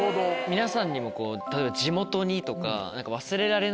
皆さんにもこう例えば地元にとか何か。